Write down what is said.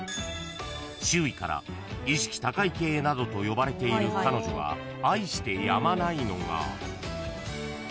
［周囲から意識高い系などと呼ばれている彼女が愛してやまないのが］